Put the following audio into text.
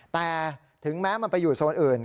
แต่ถึงแม้มันไปอยู่โซนอื่น